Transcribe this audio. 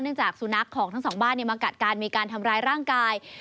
จากสุนัขของทั้งสองบ้านมากัดกันมีการทำร้ายร่างกาย